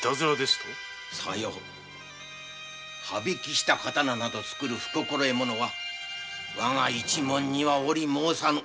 刃引きした刀など作る不心得者はわが一門にはおり申さん！